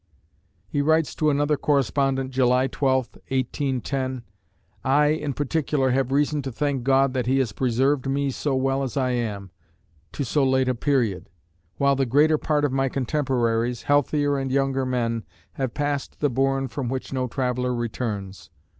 He writes to another correspondent, July 12, 1810: I, in particular, have reason to thank God that he has preserved me so well as I am, to so late a period, while the greater part of my contemporaries, healthier and younger men, have passed "the bourne from which no traveller returns."